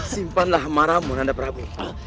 simpanlah maramu nanda prabu